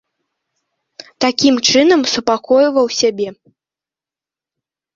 Такім чынам супакойваў сябе.